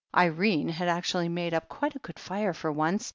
Irene had actually made up quite a good fire, for once.